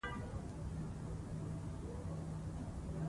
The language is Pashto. نجونې خپل علم نورو ته وښيي، ترڅو د اعتماد فضا ټینګېږي.